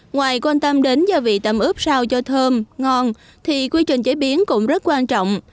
ngoài quan tâm đến gia vị tẩm ướp sao cho thơm ngon thì quy trình chế biến cũng rất quan trọng